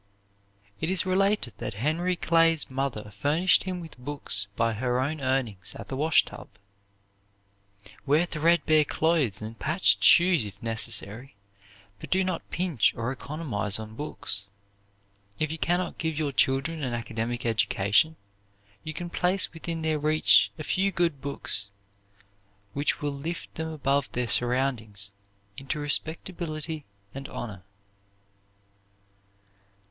It is related that Henry Clay's mother furnished him with books by her own earnings at the washtub. Wear threadbare clothes and patched shoes if necessary, but do not pinch or economize on books. If you can not give your children an academic education you can place within their reach a few good books which will lift them above their surroundings, into respectability and honor.